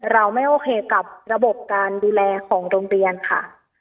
เราไม่โอเคกับระบบการดูแลของโรงเรียนค่ะ